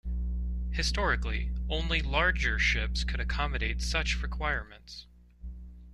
Historically, only larger ships could accommodate such requirements.